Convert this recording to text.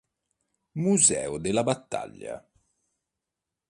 Museo della battaglia